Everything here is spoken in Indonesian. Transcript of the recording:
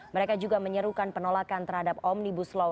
mereka juga menyerukan penolakan terhadap omnibus law